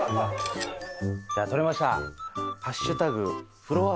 じゃあ撮れました。